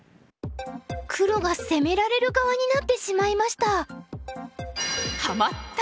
黒が攻められる側になってしまいました。